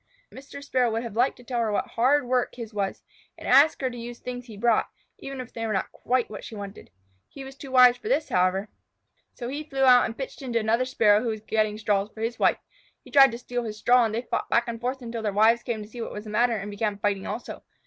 Mr. Sparrow would have liked to tell her what hard work his was, and ask her to use things he brought, even if they were not quite what she wanted. He was too wise for this, however, so he flew out and pitched into another Sparrow who was getting straws for his wife. He tried to steal his straw, and they fought back and forth until their wives came to see what was the matter and began fighting also.